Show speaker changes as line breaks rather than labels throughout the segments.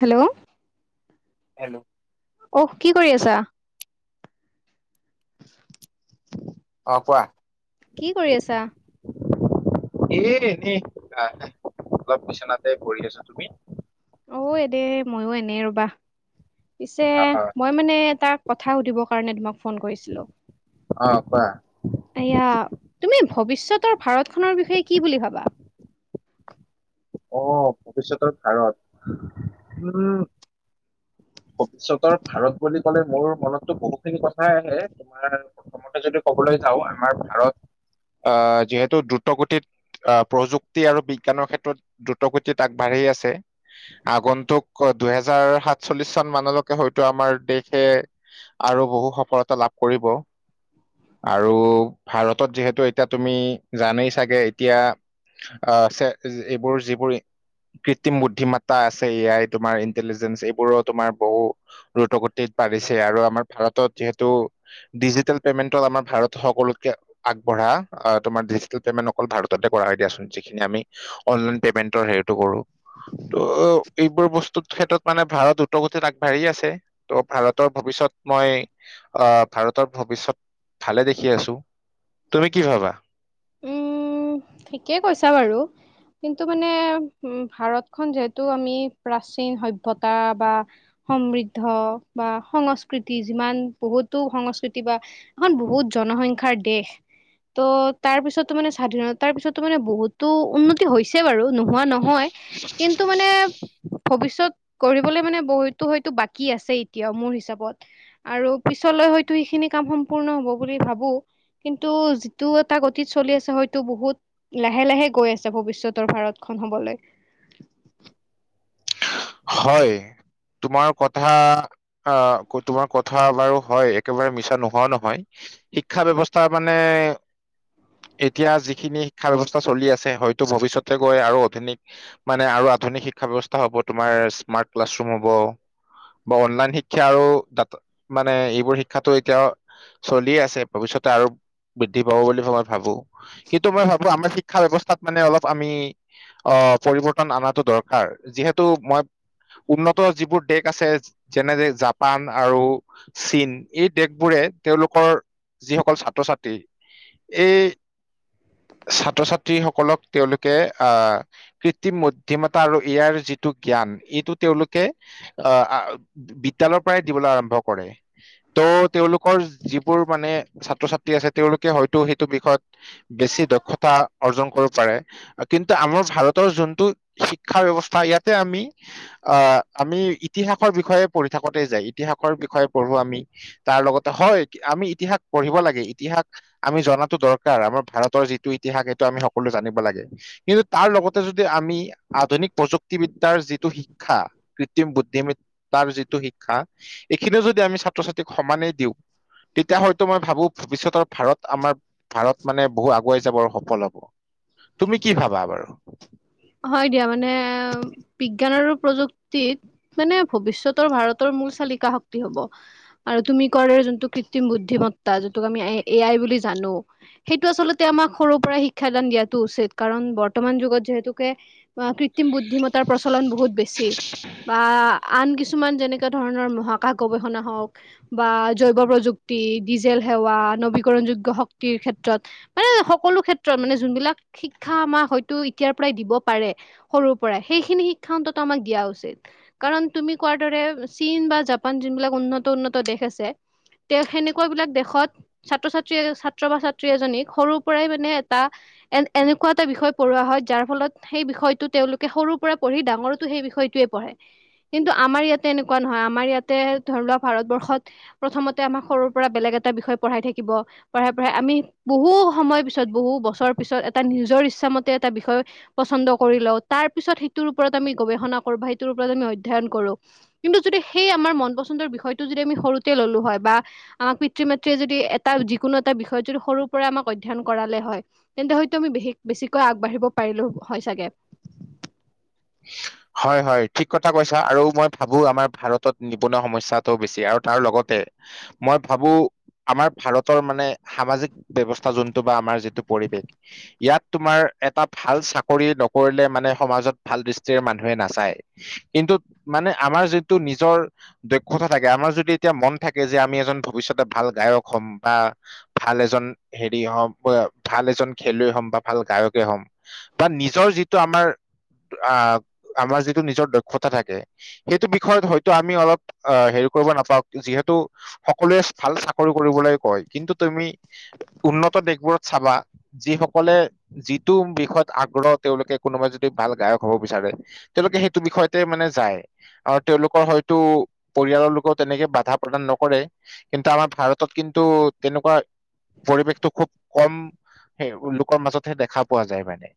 Hello
hello
অহ কি কৰি আছা [unintelligible]
পোৱা
কি কৰি আছা
এ এনে আহ অলপ বিচনাতে পৰি আছো তুমি
অ এনে ময়ো এনেই ৰবা, পিছে
আহ
মই মানে এতা কথা সুধিবৰ কাৰণে তোমাক ফোন কৰিছিলো
অ কোৱা
এয়া তুমি ভৱিষ্যতৰ ভাৰত খনৰ বিষয়ে কি বুলি ভাবা। [unintelligible]
অহ ভৱিষ্যতৰ ভাৰত উম ভৱিষ্যতৰ ভাৰত বুলি ক'লে মোৰ মনততো বহুতখিনি কথাই আহে তোমাৰ প্ৰথমতে যদি কবলৈ যাও আমাৰ ভাৰত আহ যিহেতু দ্ৰুত গতিত আহ প্ৰযুক্তি আৰু বিজ্ঞানৰ ক্ষেত্ৰত দ্ৰুতগতিত আগবাঢ়ি আছে আগন্তুক দুহেজাৰ সাতচল্লিশ কিমান মানলৈকে হয়তো আমাৰ দেশে আৰু বহু সফলতা লাভ কৰিব। আৰু ভাৰতত যিহেতু এতিয়া তুমি জানেই চাগে এতিয়া আহ চ এইবোৰ যিবোৰ কৃত্ৰিম বুদ্ধিমত্তা আছে এ আই তোমাৰ ইণ্টেলিজেন্ঞ্চ এইবোৰত তোমাৰ বৌ আমাৰ ভাৰত সকলোতকে আগবঢ়া আহ তোমাৰ ডিজিটেল পেমেণ্ট অকল ভাৰততে কৰাই দিয়াচোন যিখিনি আমি অনলাইন পেমেন্টৰ হেৰিটো কৰো ত' এইবোৰ বস্তু ক্ষেত্ৰত মানে ভাৰত দগতিত আগবাঢ়ি আছে ত' ভাৰতৰ ভৱিষ্যত মই আহ ভাৰতৰ ভৱিষয়ত ভালে দেখি আছো। তুমি কি ভাবা?
উম ঠিকেই কৈছা বাৰু কিন্তু মানে উ ভাৰতখন যিহেতু আমি প্ৰাচীন সভ্যতা বা সমৃদ্ধ বা সংস্কৃতি যিমান বহুতো সংস্কৃতি বা এখন বহুত জন জনসংখ্যাৰ দেশ ত' তাৰ পিছতো মানে স্বাধীনতাৰ পিছত মানে বহুতো উন্নতি হৈছে বাৰু নোহোৱা নহয় কিন্তু মানে ভৱিষ্যত কৰিবলৈ মানে বহুতো হয়তো বাকী আছে এতিয়াও মোৰ হিচাপত আৰু পিছলৈ হয়টো সিখিনি কাম সম্পূৰ্ণ হ'ব বুলি ভাবো কিন্তু যি এটা গতিত চলি আছে হয়তো বহুত লাহে-লাহে গৈ আছে ভৱিষ্যতৰ ভাৰতখন হ'বলৈ। [inaudible]
হয় তোমাৰ কথা অ তোমাৰ কথা বাৰু হয় একেবাৰে মিছা নোহোৱা নহয় শিক্ষা ব্যৱস্থা মানে নে এতিয়া যিখিনি শিক্ষা ব্যৱস্থা চলি আছে হয়তো ভৱিষ্যতে গৈ আৰু আধুনিক মানে আৰু আধুনিক শিক্ষাব্যৱস্থা হব তোমাৰ স্মাৰ্ট ক্লাছৰুম হ'ব বা অনলাইন শিক্ষা আৰু মানে এইবোৰ শিক্ষাতো এতিয়া চলিয়ে আছে ভবিষ্যত আৰু বৃদ্ধি পাব বুলি মই ভাবো কিন্তু মই ভাবো আমাৰ শিক্ষা ব্যৱস্থা মানে অলপ আমি অ পৰিৱৰ্তন অনাটো দৰকাৰ যিহেতু মই উন্নত যিবোৰ দেশ আছে যেনে যে জাপান আৰু চীন এই দেশবোৰে তেওঁলোকৰ যিসকল ছাত্ৰ ছাত্ৰী এই ছাত্ৰ ছাত্ৰী সকলক তেওঁলোকে আহ কৃত্ৰিম বুদ্ধিমতা আৰু ইয়াৰ যি যটো জ্ঞান এইটো তেওঁলোকে আহ বিদ্যালয়ৰপৰাই দিবলৈ আৰম্ভ কৰে। ত' তেওঁলোকৰ যিবোৰ মানে ছাত্ৰ ছাত্ৰী আছে তেওঁলোকে হয়তো সেইটো বিষয়ত বেছি দক্ষতা অৰ্জন কৰিব পাৰে কিন্তু আমাৰ ভাৰতৰ যোনটো শিক্ষা ব্যৱস্থা ইয়াত আমি অ আমি ইতিহাসৰ বিষয়ে পঢ়ি থাকোতে যাই ইতিহাসৰ বিষয়ে পঢ়ো আমি তাৰ লগতে হয় আমি ইতিহাস পঢ়িব লাগে, ইতিহাস আমি জনাতো দৰকাৰ আমাৰ ভাৰতৰ যিটো ইতিহাস সেইটো আমি সকলোৱে জানি'ব লাগে। কিন্তু তা'ৰ লগতে আমি আধুনিক প্ৰযুক্তিৰ ব বিদ্যাৰ যিটো শিক্ষা কৃত্ৰিম বুদ্ধিমদ্তাৰ যিটো শিক্ষা এইখিনিও যদি আমি ছাত্ৰ ছাত্ৰীক সমানেই দিওঁ তেতিয়া হয়তো মই ভাবো পিছত আৰু ভাৰত আমাৰ ভাৰত মানে বহু আগুৱাই যাব আৰু সফল হব। তুমি কি ভাবা বাৰু?
হয় দিয়া মানে বিজ্ঞান আৰু প্ৰযুক্তিত মানে ভৱিষতৰ ভাৰতৰ মূল চা কা শক্তি হব আৰু তুমি কৰ যোনটো কৃত্ৰিম বুদ্ধিমত্তা যিটোক আমি এ আই বুলি জানো সেইটো আচলতে আমাক সৰুৰ পৰাই শিক্ষাদান দিয়টো উচিত কাৰণ বৰ্তমান যত যিহেতু ক্ৰিতিম বুদ্ধিমত্তাৰ প্ৰচলন বহুত বেছি। বা আনকিছ কিছুমান যেনেককা ধৰণৰ মহাকাশ গৱেষণা হওক বা জৈৱ প্ৰযুক্তি, ডিজেল সেৱা, নবিকৰণ যুইগ শক্তি ক্ষেত্ৰত মানে সকলো ক্ষেত্ৰত যবিলাক শিক্ষা আমাৰ হয় দিব পাৰে সৰুৰ পৰাই সেইখিনি শিক্ষা অন্ট'ট আমাক দিয়া হৈছিল। কাৰণ তুমি কোৱাৰ দৰে চীন বা জাপান যোন বিলাক উন্নত উন্নত দেশ আছে তে সেনেকুৱাাবলাক দেশত ছাত্ৰ- ছাত্ৰী, ছাত্ৰ বা ছাত্ৰী এজনীক সৰুৰ পৰাই মানে এটা এ এনেকুৱা এটা বিষয় পঢ়োৱা হয় যাৰ ফলত সেই বিষয়টো তেওঁলোকে সৰুৰ পৰা পঢ়ি ডাঙৰৰতো সেই বিষয়টোৱে পঢ়ে কিন্তু আমাৰ ইয়াতে তেনেকুৱা নহয় আমাৰ ইয়াতে ধৰি লোৱা ভাৰতবৰ্ষত প্ৰথমতে আমাৰ সৰুৰ পৰা বেলেগ এটা বিষয় পঢ়াই থাকিব পঢ়াই পঢ়াই আমি বহু সময়ৰ পিছত বহু বছৰ পিছত এটা নিজৰ ইচ্ছাামতে এটা বিষয় পচন্দ কৰি লওঁ তাৰ পিছত সেইটোৰ ওপৰত আমি গৱেষণা কৰো বা সেইটোৰ ওপৰত আমি অধ্যয়ন কৰোঁ। কিন্তু যদি সেই আমাৰ মন পচন্দৰ বিষয়টো যদি আমি সৰুতে ল'লো হয় বা আমাক পিতৃ মাতৃয়ে যদি এটা। যিকোনো এটা বিষয়ত যদি সৰুৰ পৰাই আমাক অধ্যয়ন কৰালে হয় তেন্তে হয়তো আমিে বেছিকৈ আগবাঢ়িব। পাৰিলোঁ হয় চাগে।
হয় হয় ঠিক কথা কৈছা আৰু মই ভাবো আমাৰ ভাৰতত নিবনুৱা সমস্যাটো বেছি আৰু তাৰ লগতে। মই ভাবোঁ। আমাৰ ভাৰতৰ মানে সামাজিক ব্যৱস্থা যোনটো বা আমাৰ যিটো পৰিৱেশ ইয়াত তোমাৰ। এটা ভাল চাকৰি নকৰিলে মানে সমাজত। ভাল দৃষ্টিৰে মানুহে নাচায় কিন্তু মানে আমাৰ যিটো নিজৰ দক্ষতা থাকে আমাৰ। আমাৰ যদি এতিয়া মন থাকে যে আমি এজন ভৱিষ্যতে ভাল গায়ক হ'ম বা ভাল এজন হেৰি হম। ভাল এজন খেলুৱৈ হ'ম বা ভাল গায়কে হ'ম বা নিজৰ যিটো আমাৰ। অ আমাৰ যিটো। নিজৰ দক্ষতা থাকে সেইটো বিষয়ত হয়তো আমি অলপ হেৰি কৰিব নাপাওঁ যিহেতু। সকলোৱে ভাল চাকৰি কৰিবলৈ কয় কিন্তু তুমি উন্নত দেশবোৰত চাবা যি। সকলে যিটো বিষয়ত আগ্ৰহ তেওঁলোকে কোনোবা যদি। যদি ভাল গায়ক হ'ব বিচাৰে তেওঁলোকে সেইটো বিষয়তে মানে যায়। আৰু তেওঁলোকৰ হয়তো পৰিয়ালৰ লোকেও তেনেকে বাধা প্ৰদান নকৰে কিন্তু আমাৰ ভাৰতত কিন্তু। কিন্তু তেনেকুৱা। পৰিৱেশটো খুব কম লোকৰ মাজতহে দেখা পোৱা যায় মানে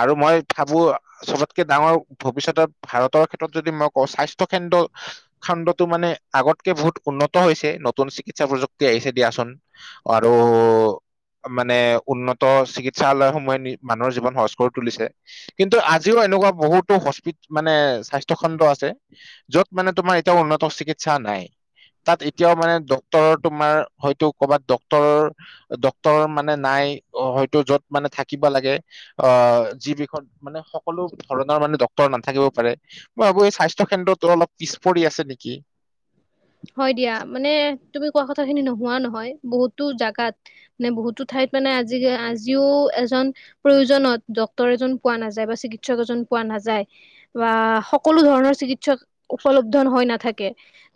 আৰু মই। ভাবোঁ চবতকে ডাঙৰ ভৱিষ্যতত ভাৰতৰ ক্ষেত্ৰত যদি মই কওঁ স্বাস্থ্য কেন্দ্ৰত। খণ্ডতটো মানে আগতকে বহুত উন্নত হৈছে নতুন চিকিৎসা প্ৰযুক্তি আহিছে দিয়াচোন। আৰু মানে উন্নত। চিকিৎসালয়সমূহে মানুহৰ জীৱন সহজ কৰি তুলিছে। কিন্তু আজিও এনেকুৱা বহুতো হস্পিটেলত মানে স্বাস্থ্য কেন্দ্ৰ আছে য'ত মানে তোমাৰ। এতিয়া উন্নত চিকিৎসা নাই। তাত এতিয়াওঁ মানে ডক্তৰৰ তোমাৰ হয়তো কৰ'বাত ডক্তৰৰ। ডক্তৰ মানে নাই হয়তো যত মানে থাকিব লাগে অ যি। বিষয়ত মানে সকলো ধৰণৰ মানে ডক্তৰ নাথাকিব পাৰে মই ভাবোঁ এই স্বাস্থ্য কেন্দ্ৰতো অলপ পিছ পৰি আছে নেকি।
উম। হয় দিয়া মানে তুমি কথা খিনি নোহোৱা নহয় বহুতো জাগাত বহুত। ঠাইত মানে আজি আজিও এজন প্ৰয়োজনত ডক্তৰ এজন পোৱা নাযায় বা চিকিৎসক এজন পোৱা। পোৱা নাযায় বা সকলো ধৰণৰ চিকিৎসক। উপলব্ধ হৈ নাথাকে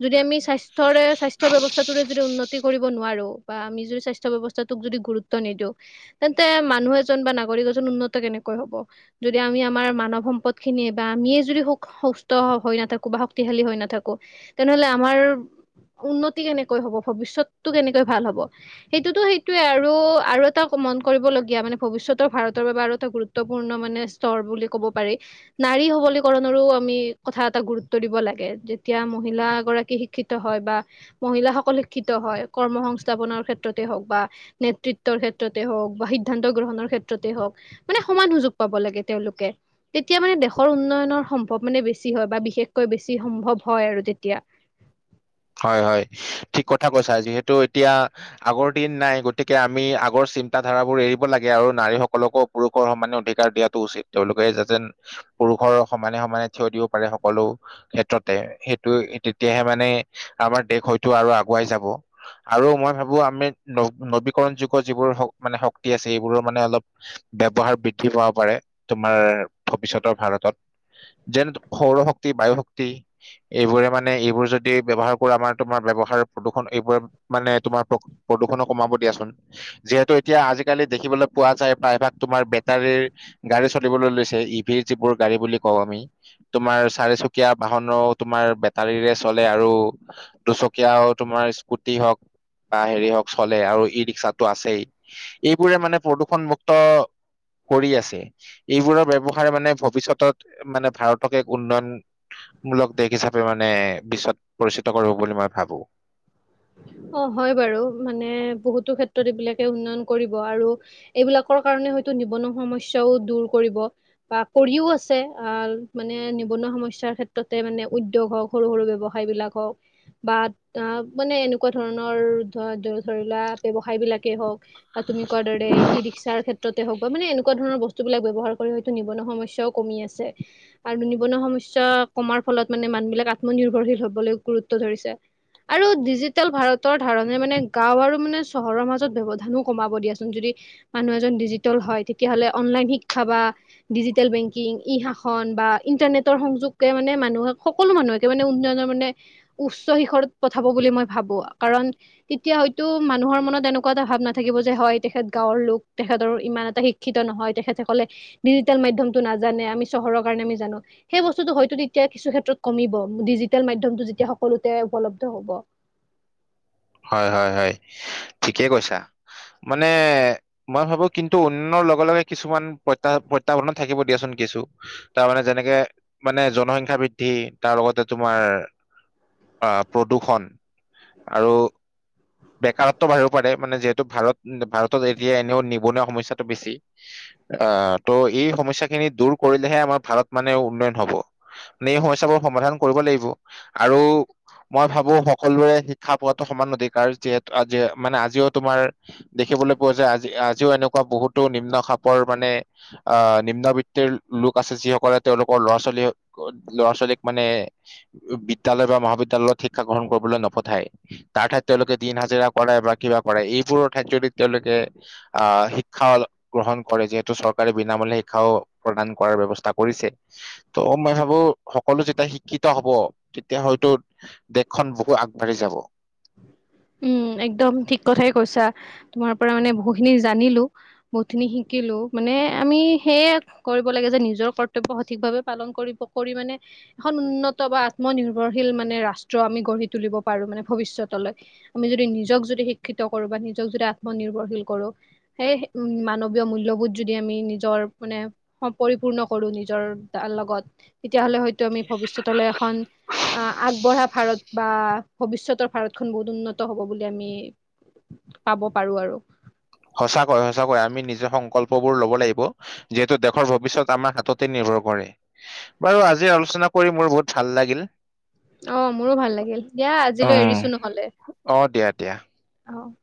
যদি আমি স্বাস্থ্যৰে স্বাস্থ্য ব্যৱস্থাটোৰে যদি উন্নত। উন্নতি নোৱাৰোঁ বা আমি যদি স্বাস্থ্য ব্যৱস্থোক যদি গুৰুত্ব নিদিওঁ তেন্তে মানুহ বা। উন্নত কেনেকৈ হ'ব যদি আমি আমাৰ মানৱ সম্পদ খিনিয়ে বা আমিয়ে যদি সু সুস্থ। হৈ নাথাকোঁ বা শক্তিশালী হৈ নাথাকোঁ তেনেহলে আমাৰ। উন্নতি কেনেকৈ হব ভৱিষ্যতটো কেনেকৈ ভাল হব সেইটোতো সেইটোয়ে আৰু আৰু এটা কথা। মন কৰিবলীয়া মানে ভৱিষতৰ ভাৰতৰ বাবে আৰু এটা গুৰুত্বপূৰ্ণ মানে স্তৰ বুলি ক'ব পাৰি নাই। সবলীকৰণৰো আমি কথা এটা গুৰুত্ব দিব লাগে যেতিয়া। মহিলাগৰাকী শিক্ষিত হয় বা মহিলাসকল শিক্ষিত হয় কৰ্ম সংস্থাপনৰ ক্ষেত্ৰতে হওঁক বা। নেতৃত্বৰ ক্ষেত্ৰতে হওঁক বা সিদ্ধান্ত গ্ৰহণৰ ক্ষেত্ৰতে হওঁক মানে সমান সুযোগ পাব লাগে তেওঁলোকে। তেতিয়া মানে দেশৰ উন্নয়নৰ সম্ভৱ মানে বেছি হয় বা বিশেষকৈ বেছি সম্ভৱ হয় আৰু। এতিয়া।
হয় হয় ঠিক কথা কৈছা যিহেতু এতিয়া আগৰ দিন নাই গতিকে আমি আগৰ। চিন্তা ধাৰাবোৰ এৰিব লাগে আৰু নাৰীসকলকো পুৰুষৰ সমানে অধিকাৰ দিয়াটো উচিত তেওঁলোকে যাতে। পুৰুষৰ সমানে সমানে থিয় দিব পাৰে সকলো ক্ষেত্ৰতে সেইটো তেতিয়াহে মানে। আমাৰ দেশ হয়তো আৰু আগুৱাই যাব। আৰু মই ভাবোঁ আমি ন নবীকৰণ যুগৰ যিবোৰ মানে শক্তি আছে সবোৰৰ মানে অলপ। ব্যৱহাৰ বৃদ্ধি পাব পাৰে তোমাৰ ভৱিষ্যতৰ ভাৰতত। যেনে সৌৰ শক্তি বায়ু শক্তি এইবোৰে মানে এইবোৰ যদি। এই ব্যৱহাৰ কৰা আমাৰ তোমাৰ ব্যৱহাৰ প্ৰদূষণ এইবোৰৰে মানে তোমাৰ প্ৰদূষণো কমাব দিয়াচোন যিহেতু এতিয়া আজিকালি দেখিবলৈ পোৱা যায় প্ৰায়ভাগ তোমাৰ বেটাৰী গাড়ী চলিবলৈ লৈছে ই এই যিবোৰ গাড়ী বুলি ক ও আমি তোমাৰ চাৰিচকীয়া বাহনেও তোমাৰ বেতাৰিৰে চলে আৰু দুচকীয়া তোমাৰ স্কুটি হওক বা হেৰি হওক চলে আৰু ই ৰিক্সাতটো আছেই এইবোৰে মানে প্ৰদূষণ মুুক্ত কৰি আছে এইবোৰৰ ব্যৱহাৰে মানে ভৱিষ্যতত মানে ভাৰতক এক উন্নয়ন মূলক দেশ হিচাপে মানে বিশ্বত পৰিচিত কৰিব বুলি মই ভাবো
অ হয় বাৰু মানে বহুতো ক্ষেত্ৰত এইবিলাকে উন্নয়ন কৰিব আৰু এইবিলাকৰ কাৰণে হয় নিবনুৱা সমস্যাও দৰ কৰিব বা কৰিও আছে মানে নিবনুৱা সমস্যা সমস্য ক্ষেত্ৰতে মানে উদ্যগ হক সৰু সৰু ব্যৱসায় বিলাক হক বা মানে এনেকুৱা ধৰণৰ ধৰি লোৱা ব্যৱসায়বিলাকেই হওক। বা তুমি কোৱাৰ দৰে ই ৰিকচা ক্ষেত্ৰতে হওক বা মানে এনেকুৱা ধৰণৰ বস্তু বস্তু বিলাক ব্যবহাৰ কৰি হয়তো নিবনুৱা সমস্যা কমি আছে আৰু নিবনুৱা সমস্যা কমাৰ ফলত মানে মানুহ বিলাক আত্মনিৰ্ভৰশীল হব গুৰুত্ব ধৰিছে আৰু দিজি ভাৰতৰ ধাৰণে মানে গাঁও আৰু মানে চহৰৰ মাজত ব্যৱধানো কমাব দিয়াচোন যদি মানুহ এজন দিজিতেল হয় তেতিয়াহলে অনলাইন শিক্ষা বা বাদিজিতেল বেংকিং ই শাসন বা ইনতানেতৰ সংযোগে মানে মানুহ সকলো মানুহকে মানে উন্নয়নৰ মানে উচ্চ শিখৰত পঠাব বুলি মই ভাবো কাৰণ তেতিয়া হয়তো মানুহৰ মনত এনেকুৱা এটা ভাৱ নাথাকিব যে হয় তেখেত গাঁৱৰ লোক তেখৰ ইমান এটা শিক্ষিত নহয় তেখেতসকলে ডিজিটেল মাধ্য়মতটো নাজানে আমি চহৰৰ কাৰণে আমি জানো। সেই বস্তুটো হয়তো তেতিয়া কিছু ক্ষেত্ৰত কমিব ডিজিটেল মাধ্যমটো যেতিয়া সকলোতে উপলব্ধ হ'ব।
হয় হয় হয় ঠিকেই কৈছা। মানে মই ভাবো কিন্তু উন্য়নৰ লগে লগে কিছুমান প্ৰতাহ প্ৰত্থাবানো থাকিব দিয়াচোন। দিছো তাৰ মানে যেনেকে মানে জনসংখ্যা বৃদ্ধি তাৰ লগতে তোমাৰ আহ প্ৰদূৰ্ষণ আৰু বেকাৰত্ব বাঢ়িব পাৰে মানে যিহেতু ভাৰত ভাৰতত এতিয়া এনেও নিবনুৱা সমস্যাটো বেছি। ত' এই সমস্যা খিনি দূৰ কৰিলেহে আমাৰ ভাৰত মানে উন্নয়ন হব মেন সমস্যাবো সমাধান কৰিব লাগিব আৰু মই ভাবো সকলোৰে শিক্ষা পোৱটো সমান অধিক কাৰাৰ আজি মানে আজিও তোমাৰ দেখিবলৈ পোৱা যায় আজি আজিও এনেকুৱা বহুতো নিম্ন খাপৰ মানে নিম্ন বৃত্তিৰ লোক আছে যিসকলে তেওঁলোকৰ লৰা ছোৱালী ল'ৰা ছোৱালীক মানে বিদ্যয়ালয় বা মহাবিদ্যালয়ত শিক্ষা গ্ৰহণ কৰিবলৈ নপঠায় তাৰ ঠাইত তেওঁলোকে দিন হাজিৰা কৰে বা কিবা কৰে এইবোৰৰ ঠাইত যদি তেওঁলোকে আহ শিক্ষা গ্ৰহণ কৰে যিহেতো চৰকাৰে বিনামূলীয়া শিক্ষাও প্ৰদান কৰা ব্যৱস্থা কৰিছে ত মই ভোবো সকলো যেতিয়া শিক্ষিত হ'ব তেতিয়া হয়তো দেশখন বহু আগবাঢ়ি যাব।
উম একদম ঠিক কথাই কৈছা তোমাৰ পৰা মানে বহুতখিনি জানিলো বহুতখিনি শিকিলো মানে। আমি সেয়ে কৰিব লাগে যে নিজৰ কৰ্তব্য সঠিক ভাৱে পালন কৰিব কৰি মানে এখন। উন্নত বা আত্মনিৰ্ভৰশীল মানে ৰাষ্ট্ৰ আমি গঢ়ি তুলিব পাৰো মানে ভৱিষ্যতলৈ আমি যদি নিজক যদি শিক্ষিত কৰো বা নিজক যদি আত্মনিৰ্ভৰশীল কৰো সেই মানৱীয় মূল্য বুত যদি আমি নিজৰ মানে পৰিপূৰ্ণ কৰো নিজৰ ত লগত তেতিয়াহলে হয়তো আমি ভৱিষতলৈ এখন অ আগবঢ়া ভাৰত বা ভৱিষ্যতৰ ভাৰতখন বহুত উন্নত হ'ব বুলি আমি পাব পাৰো আৰু
সঁচাকৈ সঁচাকৈ আমি নিজৰ সংকল্প বোৰ লব লাগিব যিহেতু দেশৰ ভৱিষ্যত আমাৰ হাততে নিৰ্ভৰশীল নকৰে বাৰু আজি আলোচনা কৰি মোৰ বহুত ভাল লাগিল।
অ মোৰো ভাল লাগিল দিয়া
অ
আজিলৈ এৰিছো নহলে
অ দিয়া দিয়া।
আহ। [inaudible]